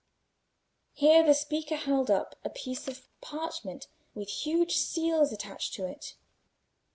Here the speaker held up a piece of parchment with huge seals attached to it.